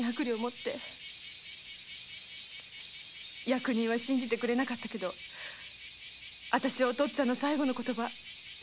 役人は信じてくれなかったけど私はお父っつぁんの最期の言葉を信じている。